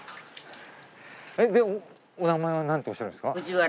でお名前は何ておっしゃるんですか？